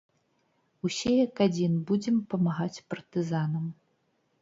Усе, як адзін, будзем памагаць партызанам!